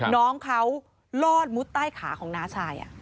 น้องเขาลอดมุดใต้ขาของน้าชาย